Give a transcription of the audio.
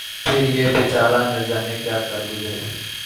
پھر یہ بے چارہ نہ جانے کیا کر گزرے